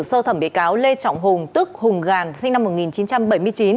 sơ thẩm bị cáo lê trọng hùng tức hùng gàn sinh năm một nghìn chín trăm bảy mươi chín